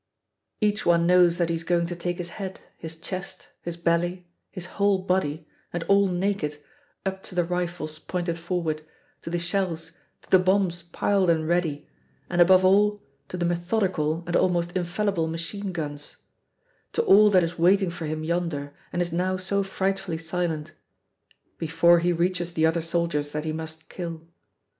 Each one knows that he is going to take his head, his chest, his belly, his whole body, and all naked, up to the rifles pointed forward, to the shells, to the bombs piled and ready, and above all to the methodical and almost infallible machine guns to all that is waiting for him yonder and is now so frightfully silent before he reaches the other soldiers that he must kill.